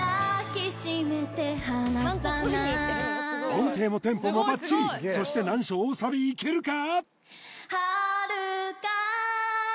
音程もテンポもバッチリそして難所大サビいけるか？